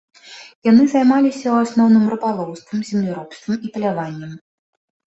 Яны займаліся, у асноўным, рыбалоўствам, земляробствам і паляваннем.